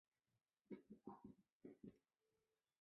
县治奥斯威戈和普瓦斯基。